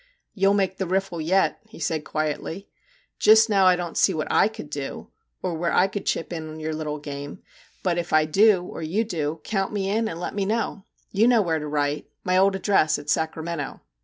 'You'll make the riffle yet,' he said quietly. * Just now I don't see what / could do, or where I could chip in your little game ; but if I do or you do, count me in and let me know. 28 MR. JACK HAMLIN'S MEDIATION You know where to write my old address at Sacramento.'